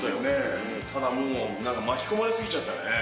ただもう、巻き込まれすぎちゃったね。